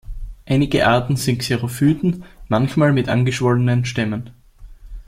Einige Arten sind Xerophyten, manchmal mit angeschwollenen Stämmen.